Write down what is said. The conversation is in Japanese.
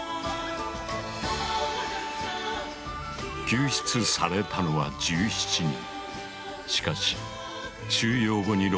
救出されたのは１７人。